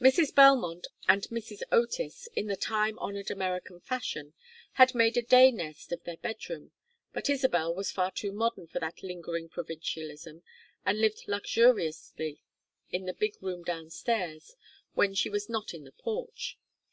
Mrs. Belmont and Mrs. Otis, in the time honored American fashion, had made a day nest of their bedroom, but Isabel was far too modern for that lingering provincialism, and lived luxuriously in the big room down stairs when she was not in the porch.